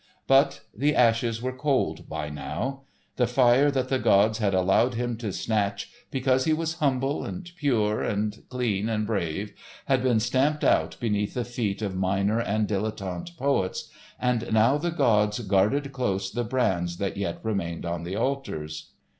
But the ashes were cold by now. The fire that the gods had allowed him to snatch, because he was humble and pure and clean and brave, had been stamped out beneath the feet of minor and dilettante poets, and now the gods guarded close the brands that yet remained on the altars.